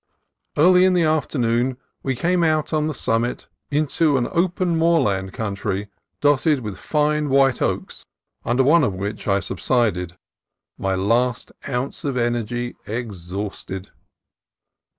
Early in the afternoon we came out on the summit into an open moorland country dotted with fine white oaks, under one of which I subsided, my last ounce of energy exhausted.